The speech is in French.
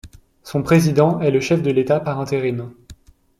Son président est le chef de l'État par intérim.